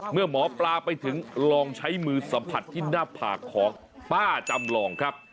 เมื่อหมอปลาไปถึงลองใช้มือสัมผัสที่หน้าผากของป้าจำลองครับ